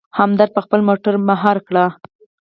همدرد په خپله موټر مهار کړ.